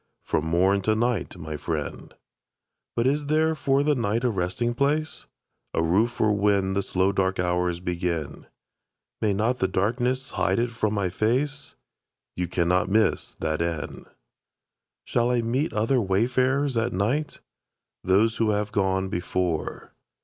From morn to night, my friend. But is there for the night a resting place? A roof for when the slow dark hours begin. May not the darkness hide it from my face? You cannot miss that inn. Shall I meet other wayfarers at night? Those who have gone before.